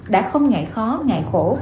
đã không ngại khó ngại khổ